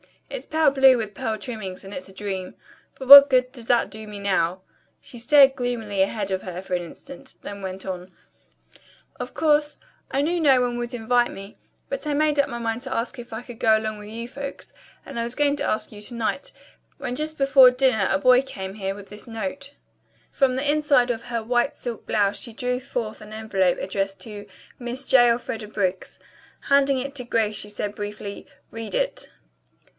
It's pale blue with pearl trimmings and it's a dream. But what good does it do me now?" She stared gloomily ahead of her for an instant, then went on: "Of course, I knew no one would invite me, but I made up my mind to ask if I could go along with you folks, and I was going to ask you to night, when just before dinner a boy came here with this note." From the inside of her white silk blouse she drew forth an envelope addressed to "Miss J. Elfreda Briggs." Handing it to Grace she said briefly: "Read it."